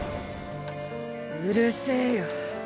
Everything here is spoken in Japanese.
うるせぇよ。